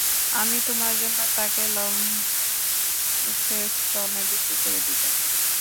আমি তোমার জন্য তাকে লন্সেস্টনে বিক্রি করে দিব।